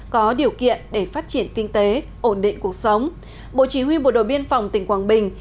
có điều kiện để phát triển kinh tế ổn định cuộc sống bộ chỉ huy bộ đội biên phòng tỉnh quảng bình